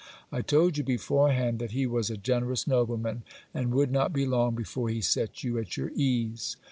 I told you beforehand that he was a generous nobleman, and would not be long before he set you at your ease.